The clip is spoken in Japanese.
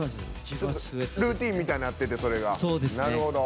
ルーティンみたいになってて、それが。